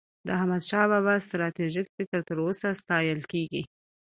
د احمدشاه بابا ستراتیژيک فکر تر اوسه ستایل کېږي.